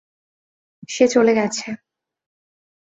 সে চলে গেছে।